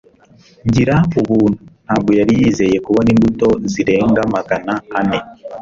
gira ubuntu. ntabwo yari yizeye kubona imbuto zirenga magana ane